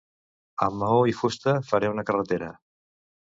Amb maó i fusta faré una carretera.